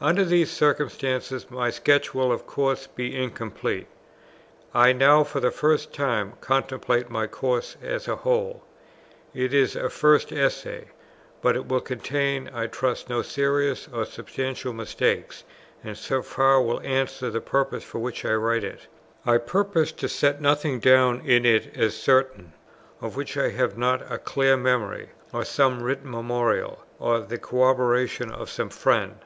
Under these circumstances my sketch will of course be incomplete. I now for the first time contemplate my course as a whole; it is a first essay, but it will contain, I trust, no serious or substantial mistake, and so far will answer the purpose for which I write it. I purpose to set nothing down in it as certain, of which I have not a clear memory, or some written memorial, or the corroboration of some friend.